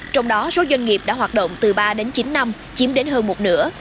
trong đó số doanh nghiệp đã hoạt động từ ba đến chín năm chiếm đến hơn một nửa